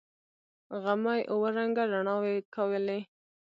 غمي اوه رنگه رڼاوې کولې.